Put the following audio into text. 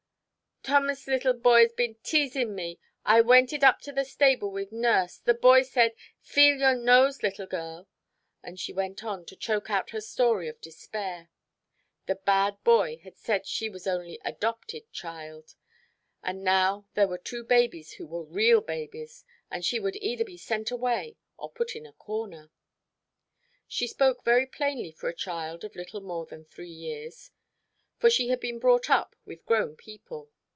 "Thomas' little boy has been teasin' me. I wented up to the stable with nurse. The boy said, 'Feel your nose, little girl '" and she went on, to choke out her story of despair. The bad boy had said she was only a "'dopted" child, and now there were two babies who were real babies, and she would either be sent away or put in a corner. She spoke very plainly for a child of little more than three years, for she had been brought up with grown people.